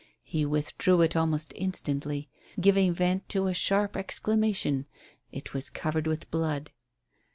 He withdrew it almost instantly, giving vent to a sharp exclamation. It was covered with blood.